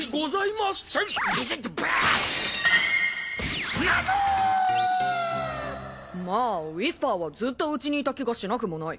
まぁウィスパーはずっと家にいた気がしなくもない。